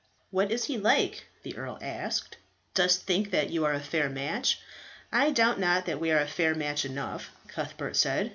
"What is he like?" the earl asked. "Dost think that you are a fair match?" "I doubt not that we are fair match enough," Cuthbert said.